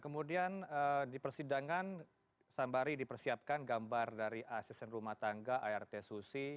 kemudian di persidangan sambari dipersiapkan gambar dari asisten rumah tangga art susi